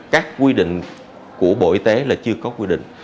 các quy định của bộ y tế là chưa có quy định